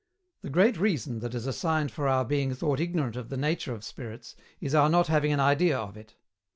The great reason that is assigned for our being thought ignorant of the nature of spirits is our not having an idea of it.